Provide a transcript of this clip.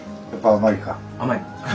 甘い。